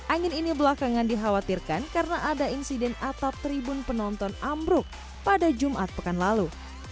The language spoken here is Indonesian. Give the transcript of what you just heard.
angin ini belakangan dikhawatirkan karena ada insiden atap tribun penonton ambruk pada jumat pekan lalu